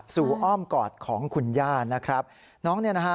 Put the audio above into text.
อ้อมกอดของคุณย่านะครับน้องเนี่ยนะฮะ